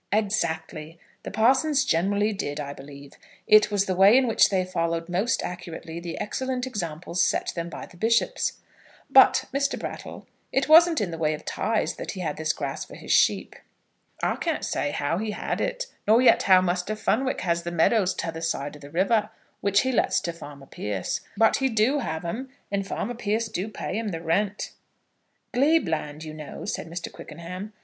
"Exactly. The parsons generally did, I believe. It was the way in which they followed most accurately the excellent examples set them by the bishops. But, Mr. Brattle, it wasn't in the way of tithes that he had this grass for his sheep?" "I can't say how he had it, nor yet how Muster Fenwick has the meadows t'other side of the river, which he lets to farmer Pierce; but he do have 'em, and farmer Pierce do pay him the rent." "Glebe land, you know," said Mr. Quickenham.